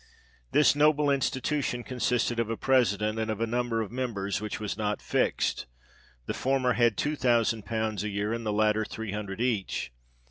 This noble institution consisted of a president, and of a number of members which was not fixed. The former had two thousand pounds a year, and the latter three hundred each.